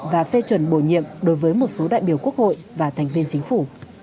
và phê chuẩn bổ nhiệm đối với một số đại biểu quốc hội và thành viên chính phủ